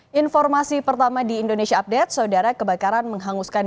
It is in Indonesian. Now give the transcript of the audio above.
hai informasi pertama di indonesia update saudara kebakaran menghanguskan